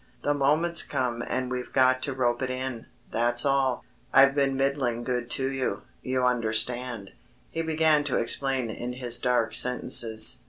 The moment's come and we've got to rope it in, that's all. I've been middling good to you.... You understand...." He began to explain in his dark sentences.